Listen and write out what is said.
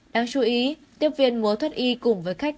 đáng chú ý tiếp viên mua thuất y cùng với khách